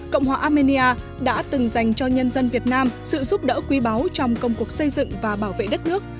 cộng hòa armenia đã từng dành cho nhân dân việt nam sự giúp đỡ quý báu trong công cuộc xây dựng và bảo vệ đất nước